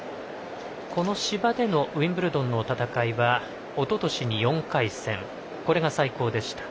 この芝でのウィンブルドンの戦いはおととしの４回戦が最高でした。